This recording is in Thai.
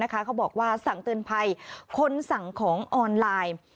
เขาบอกว่าสั่งเตือนภัยคนสั่งของออนไลน์